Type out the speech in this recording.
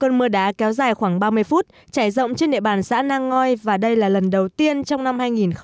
cơn mưa đá kéo dài khoảng ba mươi phút trải rộng trên địa bàn xã nang ngoi và đây là lần đầu tiên trong năm hai nghìn một mươi chín